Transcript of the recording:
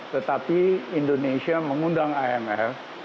tetapi indonesia mengundang imf